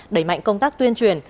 đẩy mạnh công tác tuyên truyền